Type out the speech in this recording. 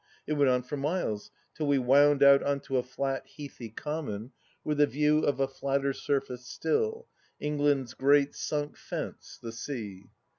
It went on for miles, till we wound out on to a flat, heathy common, with a view of a flatter surface stUl, England's great sunk fence, the sea.